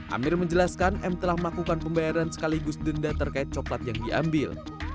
amir menjelaskan m telah melakukan pembayaran sekaligus denda terkait coklat yang diambil